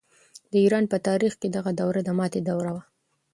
د ایران په تاریخ کې دغه دوره د ماتې دوره وه.